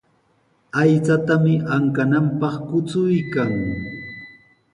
Aychatami ankananpaq kuchuykan.